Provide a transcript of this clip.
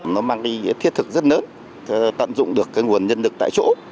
nó mang ý nghĩa thiết thực rất lớn tận dụng được cái nguồn nhân lực tại chỗ